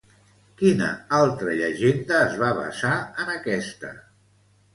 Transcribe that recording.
Quina altra llegenda es va basar en aquesta?